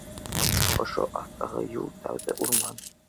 Ошо аҫтағы юл тәүҙә урман